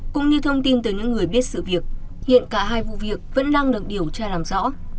cũng như thông tin từ những người biết sự việc hiện cả hai vụ việc vẫn đang được điều tra làm rõ